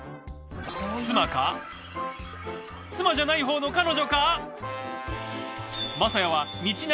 妻か妻じゃない方の彼女か？